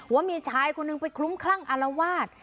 ว่ามีชายคนหนึ่งไปคลุ้มคลั่งอารวาส